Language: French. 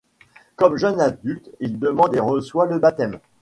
Comme jeune adulte il demande et reçoit le baptême.